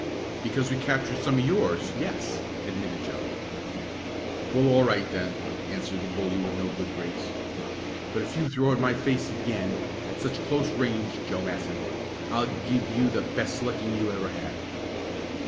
"Because we captured some of yours yes," admitted Joe. "Well, all right then," answered the bully with no good grace. "But if you throw at my face again, at such close range, Joe Matson, I'll give you the best licking you ever had."